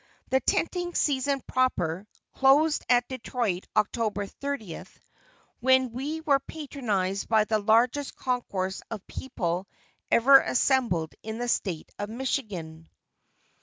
The tenting season proper, closed at Detroit October 30th, when we were patronized by the largest concourse of people ever assembled in the State of Michigan.